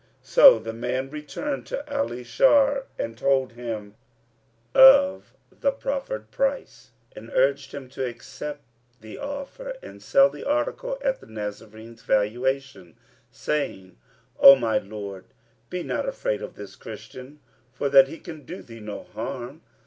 So the man returned to Ali Shar and told him of the proffered price and urged him to accept the offer and sell the article at the Nazarene's valuation, saying, "O my lord, be not afraid of this Christian for that he can do thee no hurt."